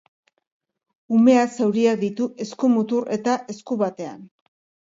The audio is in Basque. Umeak zauriak ditu eskumutur eta esku batean.